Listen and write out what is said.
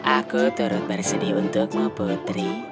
aku turut bersedih untukmu putri